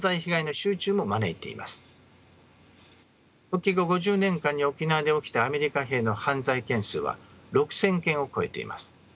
復帰後５０年間に沖縄で起きたアメリカ兵の犯罪件数は６，０００件を超えています。